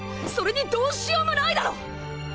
それにどうしようもないだろ